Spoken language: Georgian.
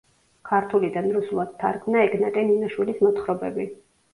ქართულიდან რუსულად თარგმნა ეგნატე ნინოშვილის მოთხრობები.